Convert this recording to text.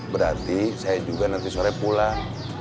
berarti saya juga nanti sore pulang